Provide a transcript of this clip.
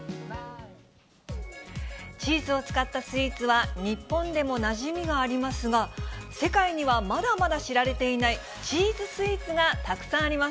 チーズを使ったスイーツは、日本でもなじみがありますが、世界にはまだまだ知られていない、チーズスイーツがたくさんありま